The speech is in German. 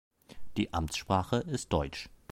Die Amtssprache ist Deutsch.